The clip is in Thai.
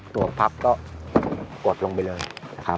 ตัวพับก็กดลงไปเลยนะครับ